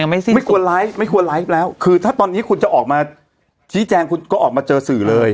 ไม่สิ้นไม่ควรไลฟ์ไม่ควรไลฟ์แล้วคือถ้าตอนนี้คุณจะออกมาชี้แจงคุณก็ออกมาเจอสื่อเลย